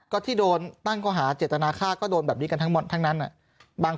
ก็ที่โดนตั้งก็หาเจตนาค่าก็โดนแบบนี้กันทั้งนั้นอ่ะบาง